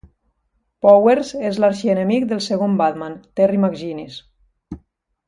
Powers és l'arxienemic del segon Batman, Terry McGinnis.